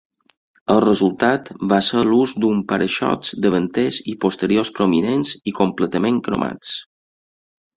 El resultat va ser l'ús d'uns para-xocs davanters i posteriors prominents i completament cromats.